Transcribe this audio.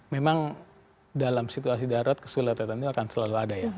memang dalam situasi darurat kesulitan itu akan selalu ada ya